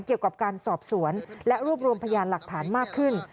เกี่ยวกับการสอบสวนและรวบรวมพยานหลักฐานมากขึ้น